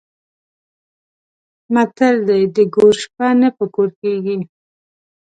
متل دی: د ګور شپه نه په کور کېږي.